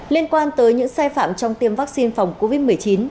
liên quan tới những sai phạm trong tiêm vaccine phòng covid một mươi chín